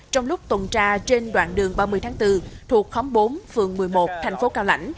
trong lúc tuần tra trên đoạn đường ba mươi tháng bốn thuộc khóm bốn phường một mươi một thành phố cao lạnh